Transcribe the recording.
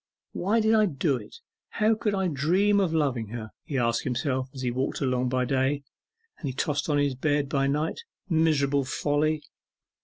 'Why did I do it? how could I dream of loving her?' he asked himself as he walked by day, as he tossed on his bed by night: 'miserable folly!